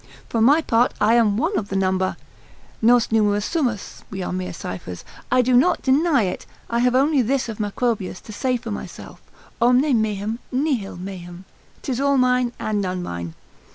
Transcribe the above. For my part I am one of the number, nos numerus sumus, (we are mere ciphers): I do not deny it, I have only this of Macrobius to say for myself, Omne meum, nihil meum, 'tis all mine, and none mine.